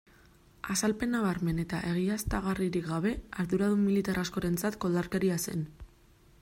Azalpen nabarmen eta egiaztagarririk gabe, arduradun militar askorentzat koldarkeria zen.